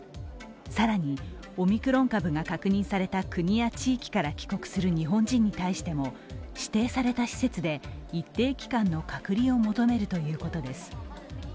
更にオミクロン株が確認された国や地域から帰国する日本人に対しても指定された施設で一定期間の隔離を求めるということです。